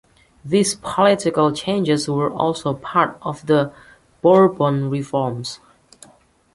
These political changes were also part of the Bourbon Reforms.